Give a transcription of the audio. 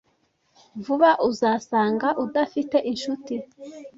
Vuba uzasanga udafite inshuti.